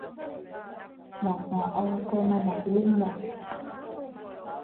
Nak ŋaʼa kò ma nak luma.